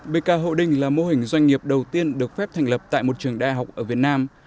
bk hậu đinh là mô hình doanh nghiệp đầu tiên được phép thành lập tại một trường đại học ở việt nam